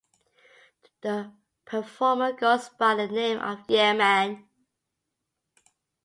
The performer goes by the name of year-man.